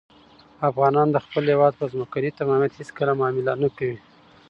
افغانان د خپل هېواد په ځمکنۍ تمامیت هېڅکله معامله نه کوي.